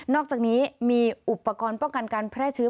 อกจากนี้มีอุปกรณ์ป้องกันการแพร่เชื้อ